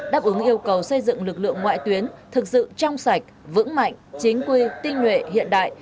đáp ứng yêu cầu xây dựng lực lượng ngoại tuyến thực sự trong sạch vững mạnh chính quy tinh nhuệ hiện đại